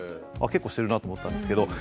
結構してるなあと思ったんですけど。